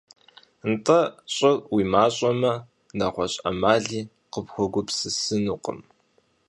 НтӀэ, щӀыр уи мащӀэмэ, нэгъуэщӀ Ӏэмали къыпхуэгупсысынукъым.